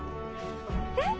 えっ？